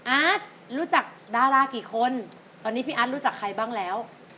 อาร์ตรู้จักดารากี่คนตอนนี้พี่อาร์ตรู้จักใครบ้างแล้ว